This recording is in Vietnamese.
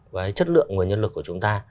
với chất lượng nguồn nhân lực của chúng ta